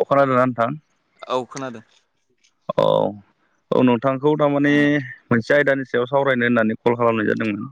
अ खोनादोंना नोंथां औ खोनादों। औ औ नोंथांखौ थारमाने मोनसे आयदानि सायाव सावरायनो होननानै कल खालामनाय जादोंमोन।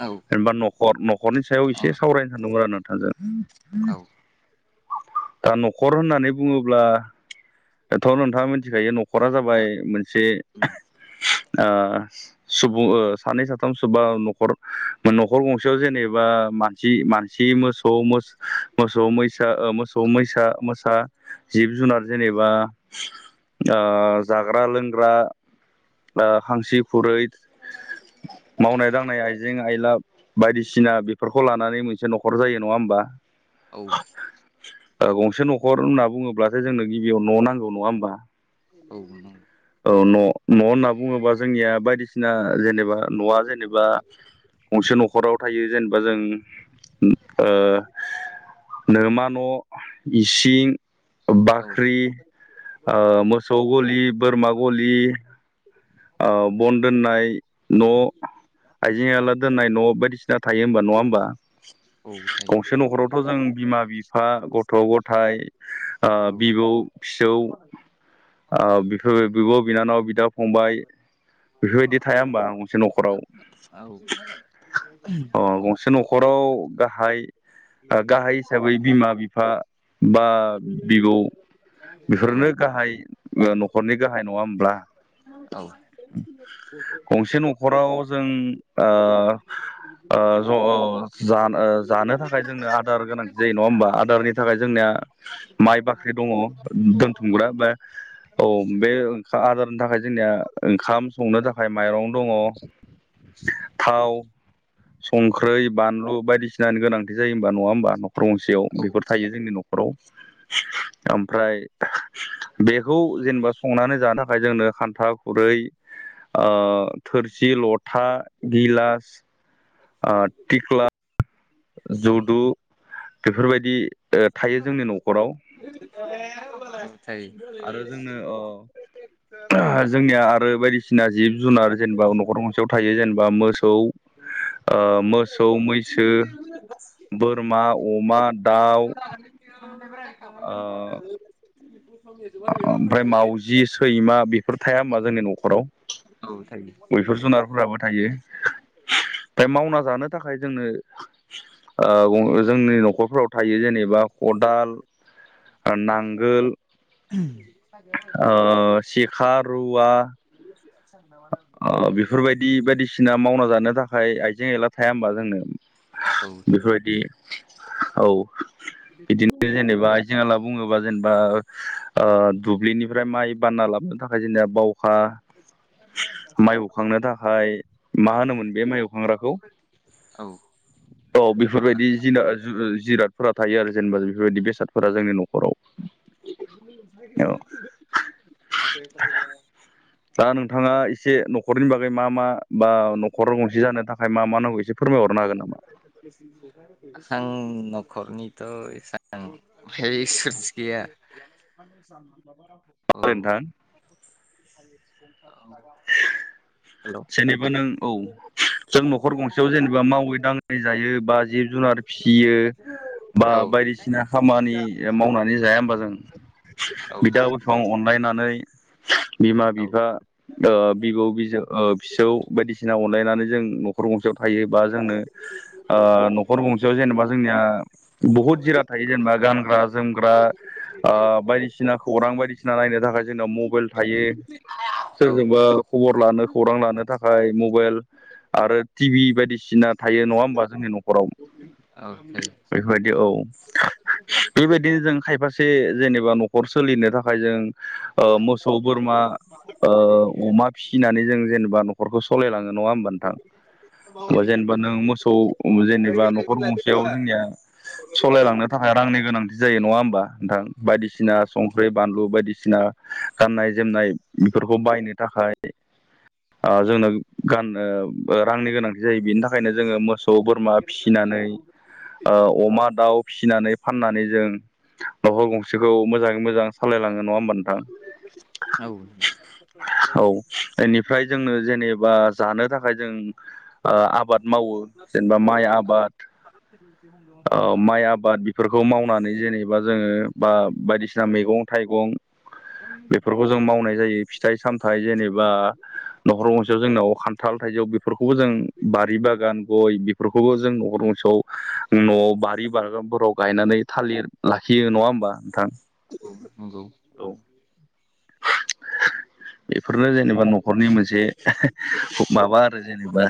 औ जेनबा न'खर न'खरनि सायाव एसे सावरायनो सानदोंमोन आरो नोंथांजों औ [inaudible] दा न'खर होननानै बुङोब्लाथ' नोंथाङा मिथिखायो न ख'रा जाबाय मोनसे आ ओ सुबुं सानै साथाम सुबा न'खर न'खर गंसेयाव जेनेबा मानसि मानसि मोसौ मोस मसौ मोसा मैसा मोसा जिब जुनार जेनेबा आ जाग्रा लोंग्रा हांसो खुरै मावनाय दांनाय आइजें आइलाब बायदिसिना बेफोरखौ लानानै मोनसे न'खर जायो नङा होमबा? औ। गंसे न'खर होनना बुङोब्लासो जोंनो गिबियाव न' नांगौ नङा होमबा? औ न' नांगौ। औ न' न' होनना बुङोबा जोंनिया बायदिसिना जेनेबा न'आ जेनेबा गंसे न'खराव थायो जेनबा जों ओ नोमा न' इसिं औ बाख्रि मोसौ गलि बोरमा गलि बन दोननाय न' आइजें आयला दोननाय न' बायदिसिना थायो होमबा नङा होमबा? औ थायो। गंसे न'खरावथ' जों बिमा बिफा गथ' गथायाइ आ औ बिबौ [inaudible] आ बिफो बिब' बिनानाव बिदा फंबाय बेफोरबायदि थाया हबा गंसे औ न'खराव। औ जायो औ अ गंसे न'खराव गाहाय गाहाय हिसाबै बिमा बिफा बा बिबौ जायो। औ बेफोरनो गाहाय न'खरनि गाहाय नङा होमब्ल? [unintelligible] गंसे न'खराव जों आ आ ओ जानो थाखाय जोंनो आदार गोनांथि जायो नङा होमबा? आदारनि थाखाय जोंनिया माइ बाख्रि दङ दोनथुमग्रा बा औ बे ओंखा आदारनि थाखाय जोंनिया ओंखाम संनो थाखाय माइरं दङ, थाव संख्रै बानलु बायदिसिनानि गोनांथि जायो। बा नङा होमबा न'खर गंसेयाव बेफोर थायो जोंनि न'खराव। ओमफ्राय बेखौ जेनेबा संनानै जानो थाखाय जोंनो खान्था खुरै थोरसि जि लथा गिलास टिक्ला जौदु बेफोरबायदि थायो जोंनि न'खराव थ आरो जोंनो ओ जोंनिया आरो बायदिसिना जिब जुनार जेनेबा न'खर गंसेयाव थायो जेनेबा बा मोसौ मोसौ मैसो बोरमा अमा दाउ ओ बाख ओमफ्राय मावजि सैमा बेफोर थाया हबा जोंनि न'खराव औ गयफोर जुनारफोराबो थायो। माय मावना जानो थाखाय जोंनो ओ जोंनि न'खर फोराव थायो जेनेबा खदाल नांगोल ओ सेखा रुवा [inaudible] ओ बेफोरबायदि बायदिसिना मावना जानो थाखाय आइ जें एला थाया होमबा जोंनो थायो बेफोरबायदि औ बिदिनो जेनेबा जोंनाला बुङो। जेनेबा ओ दुब्लिनिफ्राय माइ बानना लाबोनो थाखाय जेनेबा बाव हा माइ बौखांनो थाखाय मा होनोमोन बे माइ बौखांग्राखौ? औ औ बेफोरबायदि जिना जु जिर बोदफोरा थायो आरो जेनेबा बेफोरबायदि बेसादफोरा जोंनि न'खराव। औ दा [inaudible] नोंथाङा एसे न'खरनि बागै मा मा बा न'खर गंसे जानो थाखाय मा मा नांगौ एसे फोरमायहरनो हागोन नामा? आं न'खरनिथ' एसां है सज गैया। [inaudible] अ नोंथां [unintelligible] जेनेबा नों औ जों न'खर गंसेयाव जेनेबा मावै दाङै जायो बा जिब जुनार फिसियो औ बा बायदिसिना खामानि मावनानै जाया होमबा जों। औ बिदा बिफं अनलायनानै बिमा बिफा ओ बिबौ बिजो फिसौ बायदिसिना अनलायनानै जों न'खर गंसेयाव थायो बा जोंनो ओ न'खर गंसेयाव जेनेबा जोंनिया बुहुत जिराद थायो जेनेबा गानग्रा जोमग्रा ओ बायदिसिना खौरां बायदि बायदिसिना नायनो थाखाय जोंनाव मबाइल थायो औ सोरजोंबा खबर लानो खौरां लानो थाखाय मबाइल आरो टिभि बायदिसिना थायो नङा होमबा जोंनि न'खराव औ थायो। बेफोरबायदि औ बेबायदिनो जों खायफासे जेनेबा न'खर सोलिनो थाखाय जों ओ मोसौ बोरमा बा अमा फिसिनानै जों जेनेबा न'खरखौ सालायलाङो नङा होमबा नोंथां? बा जेनेबा नों मोसौ जेनेबा न'खर गंसेयाव जोंनिया सलायलांनो थाखाय रांनि गोनां। बिदि जायो नङा होमबा नोंथां बायदिसिना संख्रि बानलु बायदिसिना गाननाय जोमनाय बेफोरखौ बायनो थाखाय ओ जोंनो गाननो रांनि गोनांथि जायो बिनि थाखायनो जोङो मोसौ बोरमा फिसिनानै ओ अमा दाउ फिसिनानै फाननानै जों न'खर गंसेखौ मोजाङै मोजां सालायलाङो नङा होमबा नोंथां औ औ बेनि जेनेबा जानो थाखाय जों ओ आबाद मावो जेनेबा माइ आबाद [inaudible] ओ माइ आबाद बेफोरखौ मावनानै जेनेबा जोङो बा बायदिसिना मैगं थाइगं बेफोरखौ जों मावनाय जायो फिथाइ सामथाइ जेनेबा न'खर गंसेयाव जोंनाव खान्थाल थाइजौ बेफोरखौबो जों बारि बागान गय बेफोरखौबो जों न'खर गंसेआव न' बारि बागानफोराव गायनानै थालिर लाखियो नङा होमबा नोंथां? नंगौ। औ बेफोरनो जेनेबा न'खरनि मोनसे माबा आरो जेनेबा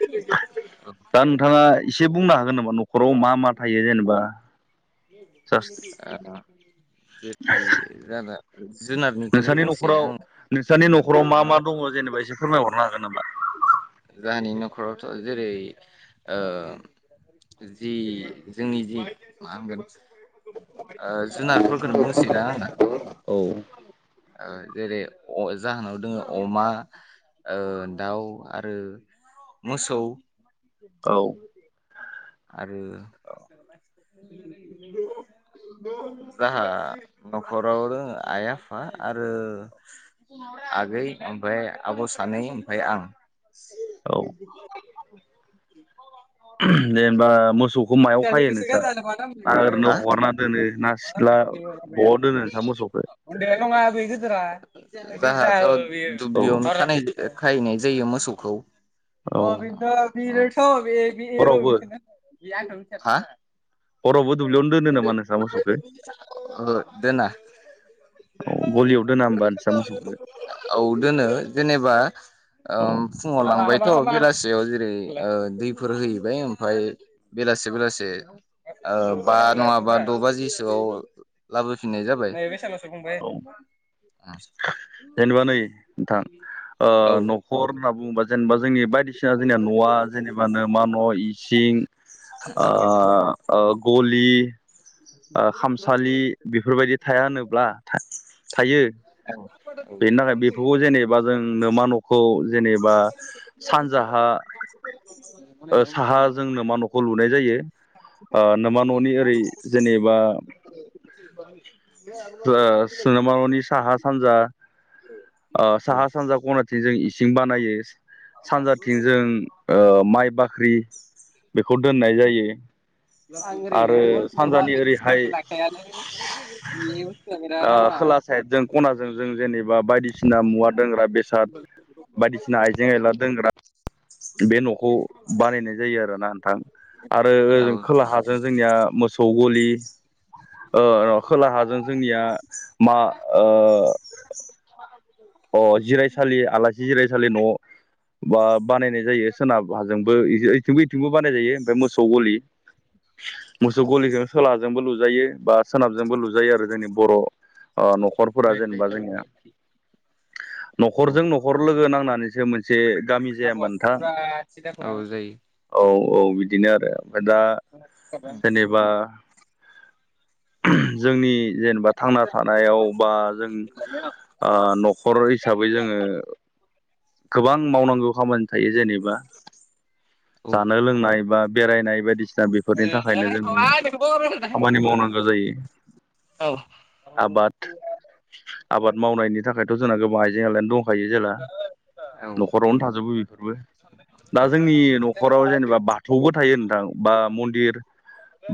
बिदि दा नोंथाङा एसे बुंनो हागोन नामा न'खराव मा मा थायो जेनेबा? जास्ट ओ बेदि जाना जुनारनिखौनो नोंसानि बुंनोसैना न'खराव आङो? नोंसोरनि न'खराव मा मा दङ जेनेबा एसे फोरमायहरनो हागोन नामा? जोंहानि न'खरावथ' जेरै ओ जि जोंनि जि मा होनगोन ओ जुनारफोरखौनो बुंनिसै दा आंङो‌। औ ओ जेरै जाहोनाव दङ अमा ओ दाउ आरो मोसौ आरो [inaudible] जाहा न'खरावनो दङ आइ आफा आरो आगै ओमफ्राय आब' सानै ओमफ्राय आं। [inaudible] औ दे होनबा मोसौ खौ मायाव खायो नोंस्रा ना ओरैनो हा हगारना दोनो ना सिथ्ला बबाव दोनो नोंस्रा मोसौ [unintelligible] जोहा औ दुब्लियावनो खानाय खाहैनाय जायो मोसौखौ। औ हरावबो [unintelligible] हरावबो ओ दुब्लियावनो दोनो नामा नोंसा मोसौखौ दोना औ गलियाव दोना होमबा नोंसा मोसौखौ औ दोनो जेनेबा औ ओम फुङाव लांबाय थ बेलासेयाव जेरै दैफोर हैबाय ओमफफ्राय बेलासे बेलासे ओ बा नङाबा द' बाजिसोआव लाबोफिननाय जाबाय। औ [inaudible] जेनेबा नै नोंथां ओ न'खर होनना बुङोबा जेनेबा जोंनि बायदिसिना जोंनिया न'आ जेनेबा नोमा न' इसिं ओ औ ओ गलि ओ खामसालि बेफोरबायदि थाया होनोब्ला थायो। औ बेनि थाखाय बेफोरखौ औ जेनेबा जों नोमा न'खौ जेनेबा सानजाहा ओ साहा जों नोमा न'खौ लुनाय जायो नोमा न'नि ओरै जेन [inaudible] ओ सोनाबहा न'नि साहा सानजा ओ साहा सानजा खनाथिं जों इसिं बानायो। सानजाथिं जों ओ माइ बाख्रि बेखौ दोननाय जायो। आरो सानजानि ओरैहाय [unintelligible] ओ खोला [unintelligible] सिना मुवा दोंनो बे न'खौ बानायनाय जायो आरोना नोंथां आरो ओ खोलाहाजों जोंनिया। मोसौ गलि। ओ खोलाहाजों जोंनिया मा ओ। अ जिरायसालि आलासि जिरायसालि न। बा बानायनाय जायो सोनाब हाजोंबो। बिथिं बिथिंबो बानाय जायो ओमफ्राय मोसौ गलि मोसौ गलिजों खोलाहा। जोंबो लुजायो बा सोनाबजोंबो लुजायो आरो जोंनि बर'। न'खरफोरा जेनेबा जोङोनिया औ। न'खरजों न'खर लोगो नांनानैसो मोनसे। जे गामि जाया आबहावाखौ मानोथां। फुरा सिदा खालामो। औ औ बिदिनो आरो ओमफ्राय दा जेनेबा। जोंनि जेनेबा थांना थानायाव बा जों नखर हिसाबै जोङो गोबां मावनांगौ खामानि थायो जेनेबा [inaudible] औ जानो लोंनाय बा बेरायनाय बायदिसिना बेफोरनि जायो थाखायनो औ जोङो खायो औ नंगौ औ खामानि मावनांगौ जायो आबाद आबाद मावनायनि थाखायथ' जोंना गोबां आइजें आइलायानो दंखायो जेला न'खरावनो थाजोबो बेफोरबो दा जोंनि न'खराव जेनेबा बाथौबो थायो नोंथां बा मन्दिर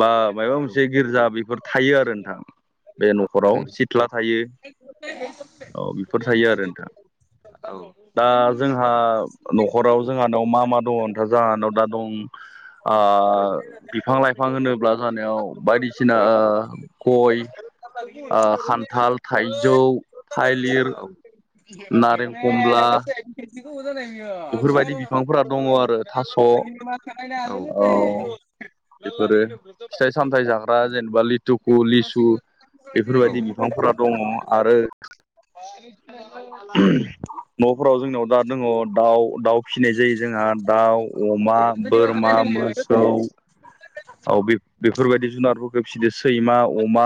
बा माबा मोनसे गिर्जा बेफोर थायो आरो नोंथां बे न'खराव थायो सिथ्ला थायो औ बेफोर थायो आरो नोंथां औ दा जोंहा न'खराव जोंहानाव मा मा दङ नोंथा जोंहानाव दा दं बिफां लाइफां होनोब्ला जानायाव बायदिसिना गय खान्थाल थाइजौ थालिर [inaudible] बेफोरबायदि बिफांफोरा दङ आरो थास' औ बेफोरो फिथाइ सामथाय जाग्रा जेनेबा लिथुखु लिसु बेफोरबायदि बिफांफोरा दङ आरो [inaudible] न'फोराव जोंनाव दा दङ दाउ दाउ फिसिनाय जायो जोंहा दाउ अमा बोरमा मोसौ औ बेफोरबायदि जुनारफोरखौ फिसिदो सैमा अमा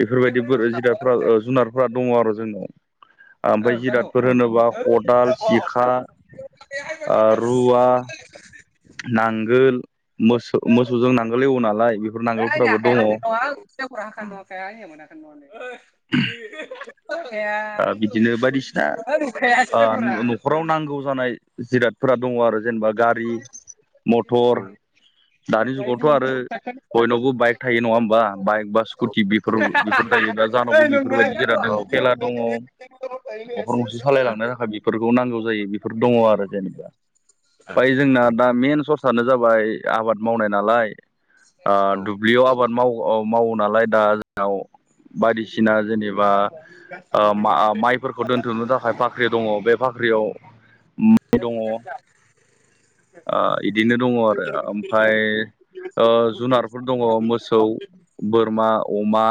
बेफोरबायदि जिरादफ्रा जुनारफ्रा दङ आरो जोंनाव ओमफ्राय जिरादफोर होनोब्ला खदाल सिखा रुवा नांगोल मोसौ मोसौजों नांगोल एवो नालाय बेफोर नांगोलफोराबो दङ [inaudible] दा बिदिनो बायदिसिना न'खराव नांगौ जानाय जिराद फोरा दङ आरो जेनेबा गारि मटर औ दानि जुगावथ' आरो बयनाव बाइक थायो नङा होमबा बाइक बा जा स्कुटि बेफोर थायोब्ला जाउनावबो बेफोरबायदि थेला दङ न'खर गंसे सालायलांनो थाखाय बेफोरखौ नांगौ जायो बेफोर दङ आरो जेनेबा ओमफाय जोंना दा मेन सर्सानो जाबाय आबाद मावनाय नालाय दुब्लियाव आबाद माव माव नालाय दा जोंनाव बायदिसिना जेनेबा माइफोरखौ दोनथुमनो थाखाय बाख्रि दङ बे बाख्रियाव माइ दङ बिदिनो दङ आरो ओमफ्राय जुनारफोर दङ मोसौ बोरमा अमा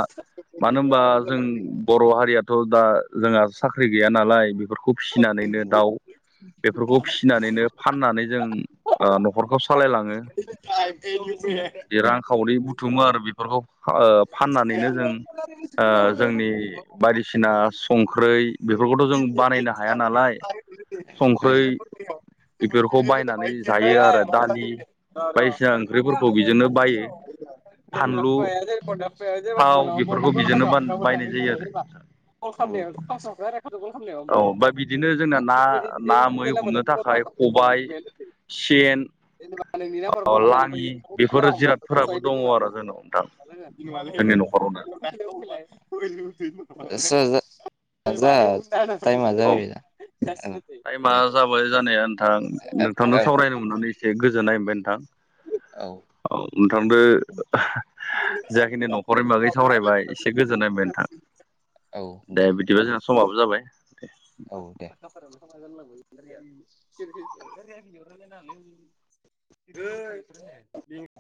मानो होनबा जों बर' हारियाथ' दा जोंहा साख्रि गैया नालाय बेफोरखौ फिसिनानैनो दाउ बेफोरखौ फिसिनानैनो फाननानै जों न'खरखौ सालायलाङो [inaudible] थुमो आरो बेफोरखौ फाननानैनो जों जोंनि बायदिसिना संख्रै बेफोरखौथ' जों बानायनो हाया नालाय संख्रै [inaudible] बेफोरखौ बायनानै जायो आरो दालि बायदिसिना ओंख्रिफोरखौ बेजोंनो बायो [inaudible] कल फानलु थाव खालामनायावाथ' बेफोरखौ बेजोंनो बायनाय जायो आरो खावसावख आरो खट'कल खालामनायाव औ ओमफ्राय बिदिनो जोंना ना बि ना मै बि हमनो थाखाय मा खबाइ खालामै सेन जेनेबा नोंनि नाम्बाराव कल लाङि खालामनानैओैखौ बेफोर फारा हमबाय जिरादफोराबो फ्राय दङ आरो जोंनाव नोंथां जोंनि न'खरावनो खनो बुंबाय [unintelligible] औ [unintelligible] टाइमा जाबाय जानाया नोंथां नोंथांनो सावरायनो मोननानै एसे गोजोननाय मोनबाय नोंथां औ थांबो जाखिनि न'खरनि बागै सावरायबाय एसे गोजोननाय नोंथां दे बिदिबा जोंना समाबो जाबाय औ दे [unintelligible] [unintelligible]